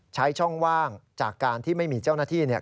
ใช้ช่องว่างจากการที่ไม่มีเจ้าหน้าที่เนี่ย